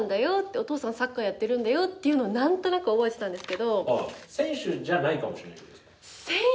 お父さんサッカーやってるんだよっていうのをなんとなく覚えてたんですけど。